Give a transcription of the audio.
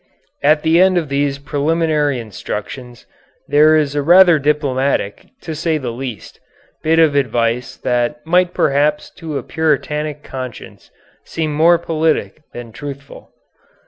At the end of these preliminary instructions there is a rather diplomatic to say the least bit of advice that might perhaps to a puritanic conscience seem more politic than truthful.